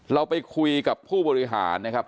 เราไปคุยกับผู้บริหารนะครับ